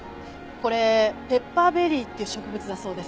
これペッパーベリーっていう植物だそうです。